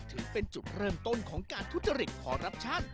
ถือเป็นจุดเริ่มต้นของการทุจริตคอรับชัน